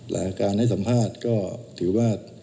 และการให้สัมภาษณ์ก็ถือว่า